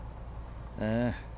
ああ。